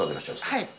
はい。